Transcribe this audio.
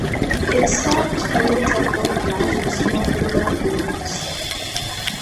It served the needs of both large and small animal owners.